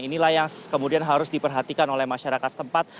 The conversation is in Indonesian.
inilah yang kemudian harus diperhatikan oleh masyarakat tempat